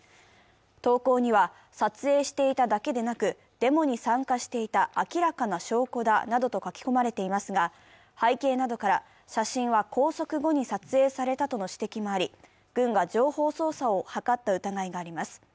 投稿には撮影していただけでなく、デモに参加していた明らかな証拠だなどと書き込まれていますが背景などから、写真は拘束後に撮影されたとの指摘もあり、軍が情報操作を図った疑いがあります。